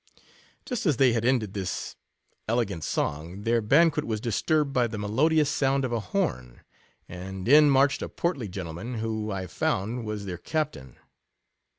Just as they had ended this elegant song, their banquet was disturbed by the melodious sound of a horn, and in marched a portly gentleman, who, I found, was their captain.